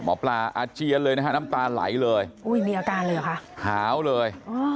อาเจียนเลยนะฮะน้ำตาไหลเลยอุ้ยมีอาการเลยเหรอคะหาวเลย